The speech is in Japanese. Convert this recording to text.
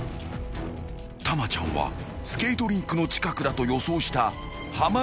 ［たまちゃんはスケートリンクの近くだと予想した濱口］